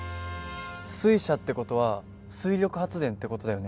水車って事は水力発電って事だよね。